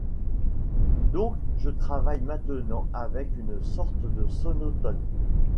Donc je travaille maintenant avec une sorte de sonotone...